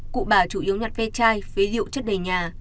cụ bà chủ yếu nhặt ve chai phế liệu chất đầy nhà